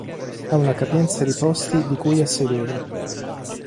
Ha una capienza di posti di cui a sedere.